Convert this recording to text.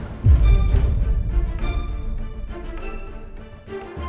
aku dengan sama selbst